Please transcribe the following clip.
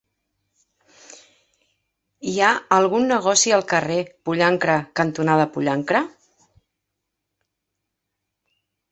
Hi ha algun negoci al carrer Pollancre cantonada Pollancre?